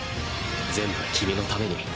全部君のために。